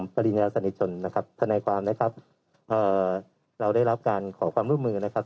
ปริญญาสนิทชนนะครับทนายความนะครับเราได้รับการขอความร่วมมือนะครับ